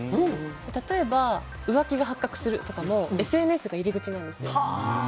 例えば、浮気が発覚するとかもＳＮＳが入り口なんですよ。